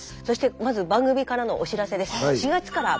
そしてまず番組からのお知らせです。